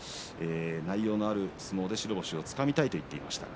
内容のある相撲で白星をつかみたいと言っていました。